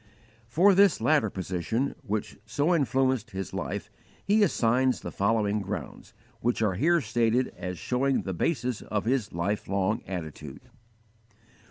For this latter position, which so influenced his life, he assigns the following grounds, which are here stated as showing the basis of his life long attitude: 1.